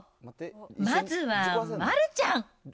まずは丸ちゃん。